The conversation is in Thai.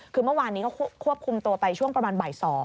คือเมื่อวานนี้เขาควบคุมตัวไปช่วงประมาณบ่าย๒